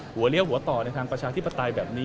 เลี้ยวหัวต่อในทางประชาธิปไตยแบบนี้